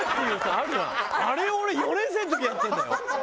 あれを俺４年生の時にやってるんだよ。